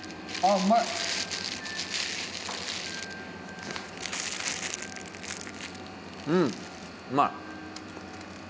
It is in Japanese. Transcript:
うんうまい。